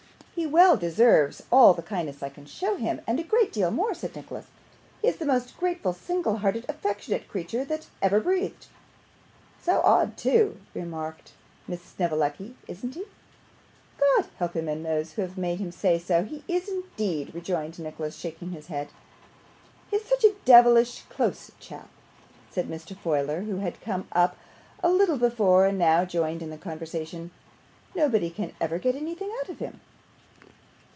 'He well deserves all the kindness I can show him, and a great deal more,' said Nicholas. 'He is the most grateful, single hearted, affectionate creature that ever breathed.' 'So odd, too,' remarked Miss Snevellicci, 'isn't he?' 'God help him, and those who have made him so; he is indeed,' rejoined Nicholas, shaking his head. 'He is such a devilish close chap,' said Mr. Folair, who had come up a little before, and now joined in the conversation. 'Nobody can ever get anything out of him.